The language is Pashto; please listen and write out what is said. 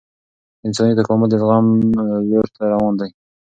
انساني تکامل د زغم لور ته روان دی